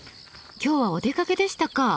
今日はお出かけでしたか？